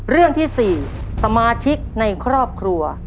เรื่องที่๔สมาชิกในครอบครัว